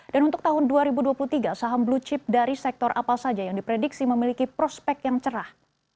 dan untuk tahun dua ribu dua puluh tiga saham blue chip dari sektor apa saja yang diprediksi memiliki prospek yang cerah